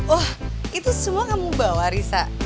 oh itu semua kamu bawa risa